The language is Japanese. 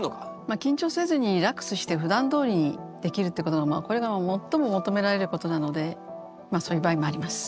緊張せずにリラックスしてふだんどおりにできるってことがこれが最も求められることなのでそういう場合もあります。